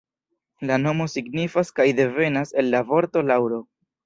La nomo signifas kaj devenas el la vorto laŭro.